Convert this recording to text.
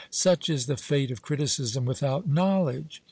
Such is the fate of criticism without knowledge!